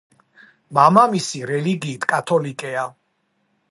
მამამისი რელიგიით კათოლიკეა.